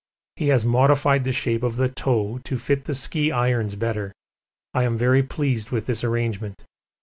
He has modified the shape of the toe to fit the ski irons better. I am very pleased with this arrangement.